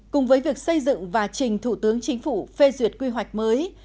cùng với việc xây dựng và trình thủ tướng chính phủ phê duyệt quy hoạch mới